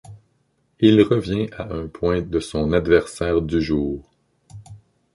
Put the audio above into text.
Il revient à un point de son adversaire du jour.